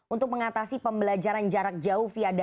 untuk mengatasi pembelajaran jarak jauh